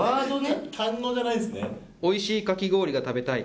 「美味しいかき氷が食べたい」。